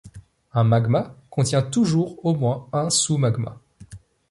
Un magma contient toujours au moins un sous-magma.